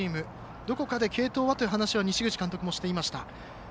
どこかで継投はという話は西口監督もしていました。